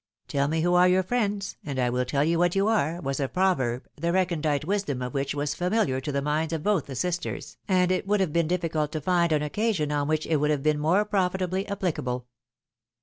" Tell me who are your friends, and I wiU tell you what you are," was a proverb, the recondite wisdom of which was famDiar to the minds of both the sisters, and it would have been difficult to find an occasion on which it would have been more profitably applicable.